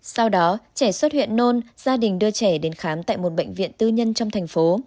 sau đó trẻ xuất hiện nôn gia đình đưa trẻ đến khám tại một bệnh viện tư nhân trong thành phố